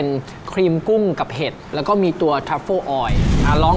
มันมีกลิ่นของครีมกุ้ง